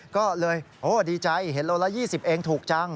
ก็เลยโอ้ดีใจเห็นโลละ๒๐เองถูกจัง